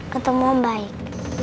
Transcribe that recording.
ketemu om baik